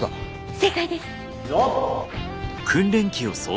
正解です！